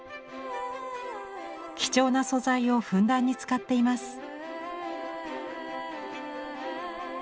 貴重な素材をふんだんに使っています。